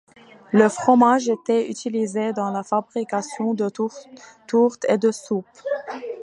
Le fromage était utilisé dans la fabrication de tourtes et de soupes.